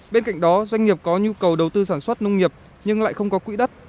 bên cạnh đó doanh nghiệp có nhu cầu đầu tư sản xuất nông nghiệp nhưng lại không có quỹ đất